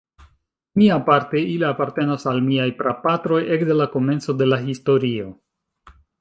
Miaparte, ili apartenas al miaj prapatroj ekde la komenco de la historio.